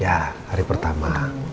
ya hari pertama